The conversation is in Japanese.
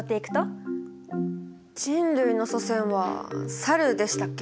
人類の祖先はサルでしたっけ？